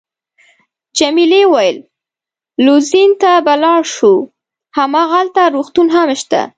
جميلې وويل:: لوزین ته به ولاړ شو، هماغلته روغتون هم شته.